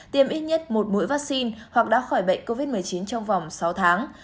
tiêm ít nhất một mũi vaccine hoặc đã khỏi bệnh covid một mươi chín trong vòng sáu tháng